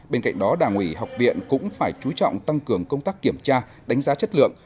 bên cạnh đó đảng ủy học viện cũng phải chú trọng tăng cường công tác kiểm tra đánh giá chất lượng